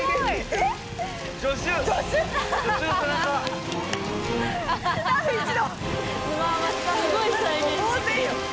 えすごい。